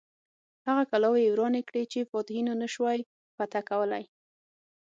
هغه کلاوې یې ورانې کړې چې فاتحینو نه سوای فتح کولای.